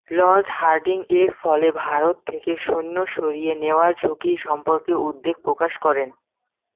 Lord Hardinge এর ফলে "ভারত থেকে সৈন্য সরিয়ে নেওয়ার ঝুঁকি" সম্পর্কে উদ্বেগ প্রকাশ করেন।